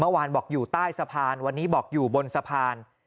เมื่อวานบอกอยู่ใต้สะพานวันนี้บอกอยู่บนสะพาน